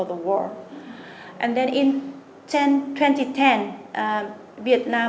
doanh nghiệp việt nam